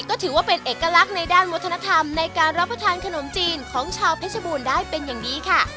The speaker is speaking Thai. ก็ถือว่าเป็นเอกลักษณ์ในด้านวัฒนธรรมในการรับประทานขนมจีนของชาวเพชรบูรณ์ได้เป็นอย่างดีค่ะ